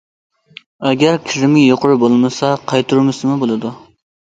ئەگەر كىرىمى يۇقىرى بولمىسا، قايتۇرمىسىمۇ بولىدۇ.